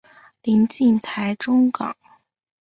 临近台中港。